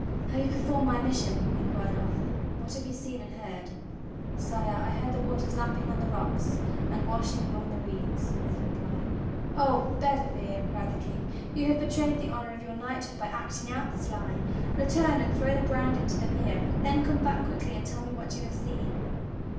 "Have you performed my mission?" inquired Arthur. "What have you seen and heard?" "Sire, I heard the waters lapping on the rocks and washing among the reeds," was the reply. "Oh Bedivere!" cried the King. "You have betrayed the honor of your knighthood by acting out this lie! Return and throw the brand into the mere, then come back quickly and tell me what you have seen."